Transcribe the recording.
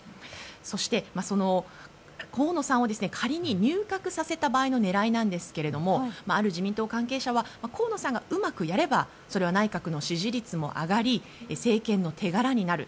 そして、河野さんを仮に入閣させた場合の狙いですがある自民党関係者は河野さんがうまくやれば内閣の支持率も上がり政権の手柄にもなる。